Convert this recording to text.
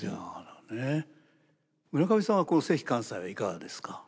村上さんはこの関寛斎はいかがですか？